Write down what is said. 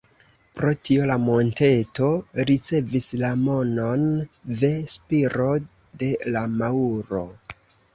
Pro tio la monteto ricevis la nomon "Ve-spiro de la maŭro".